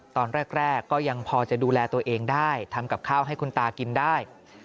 ตอนแรกก็ยังพอจะดูแลตัวเองได้ทำกับข้าวให้คุณตากินได้